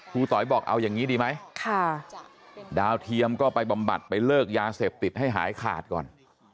ต๋อยบอกเอาอย่างนี้ดีไหมดาวเทียมก็ไปบำบัดไปเลิกยาเสพติดให้หายขาดก่อน